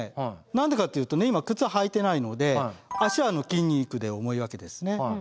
何でかっていうと今靴履いてないので足は筋肉で重いわけですね。